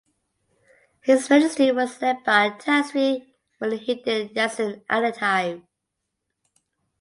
His ministry was led by Tan Sri Muhyiddin Yassin at the time.